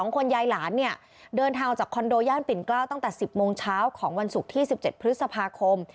คนยายหลานเนี่ยเดินทางออกจากคอนโดย่านปิ่นเกล้าตั้งแต่๑๐โมงเช้าของวันศุกร์ที่๑๗พฤษภาคม